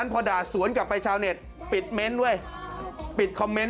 พอด่าซวนกลับไปชาวเน็ตปิดเม้นท์ด้วย